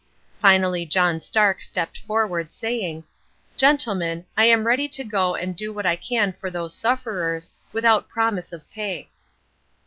Finally, John Stark stepped forward, saying, "Gentlemen, I am ready to go and do what I can for those sufferers, without promise of pay."